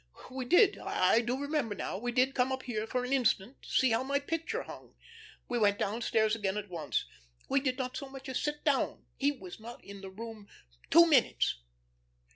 We did I do remember now we did come up here for an instant, to see how my picture hung. We went downstairs again at once. We did not so much as sit down. He was not in the room two minutes."